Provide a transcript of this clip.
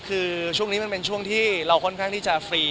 คือช่วงนี้มันเป็นช่วงที่เราค่อนข้างที่จะฟรี